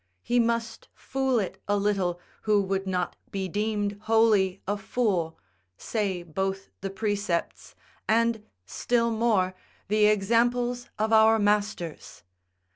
He must fool it a little who would not be deemed wholly a fool, say both the precepts, and, still more, the examples of our masters.